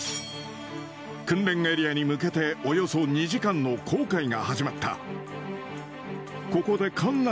訓練エリアに向けておよそ２時間の航海が始まった。